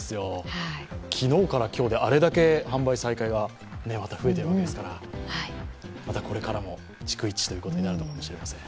昨日から今日であれだけ販売再開が増えているわけですから、またこれからも逐一ということになるのかもしれません。